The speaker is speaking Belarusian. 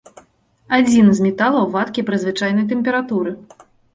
Адзіны з металаў, вадкі пры звычайнай тэмпературы.